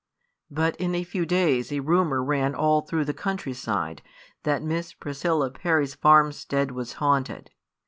But in a few days a rumour ran all through the country side that Miss Priscilla Parry's farmstead was haunted.